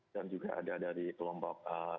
dan juga ada dari kelompok yang lainnya ya ya